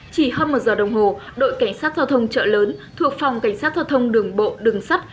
chỉ hơn một giờ đồng hồ đội cảnh sát giao thông chợ lớn thuộc phòng cảnh sát giao thông đường bộ đường sắt